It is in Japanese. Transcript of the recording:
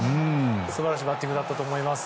素晴らしいバッティングだったと思います。